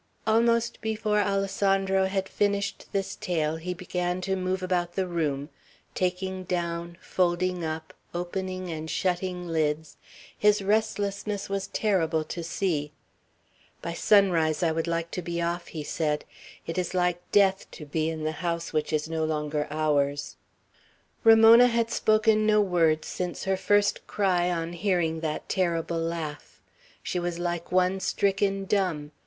Almost before Alessandro had finished this tale, he began to move about the room, taking down, folding up, opening and shutting lids; his restlessness was terrible to see. "By sunrise, I would like to be off," he said. "It is like death, to be in the house which is no longer ours." Ramona had spoken no words since her first cry on hearing that terrible laugh. She was like one stricken dumb.